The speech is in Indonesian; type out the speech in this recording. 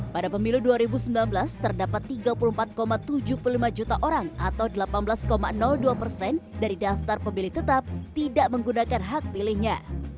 pada pemilu dua ribu sembilan belas terdapat tiga puluh empat tujuh puluh lima juta orang atau delapan belas dua persen dari daftar pemilih tetap tidak menggunakan hak pilihnya